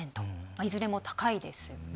いずれも、高いですよね。